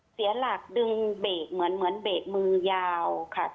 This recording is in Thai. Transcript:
เสียหลักดึงเบรกเหมือนเบรกมือยาวค่ะ